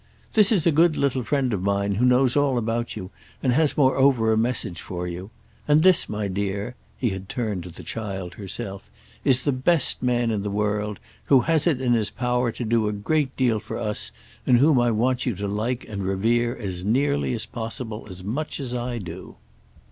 "This is a good little friend of mine who knows all about you and has moreover a message for you. And this, my dear"—he had turned to the child herself—"is the best man in the world, who has it in his power to do a great deal for us and whom I want you to like and revere as nearly as possible as much as I do."